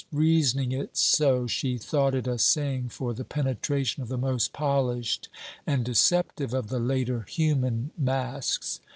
Reasoning it so, she thought it a saying for the penetration of the most polished and deceptive of the later human masks.